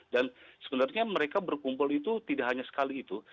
dan sebenarnya mereka berkumpul itu tidak hanya sekali itu